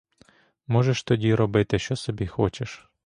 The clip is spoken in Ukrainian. Можеш тоді робити, що собі хочеш!